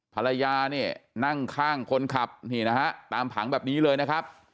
ภรรยาเนี่ยนั่งข้างคนขับนี่นะฮะตามผังแบบนี้เลยนะครับ